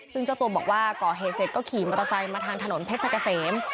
ซึ่งเจ้าตัวบอกว่าก่อเหตุเสร็จก็ขี่มอเตอร์ไซค์มาทางถนนเพชรกะเสม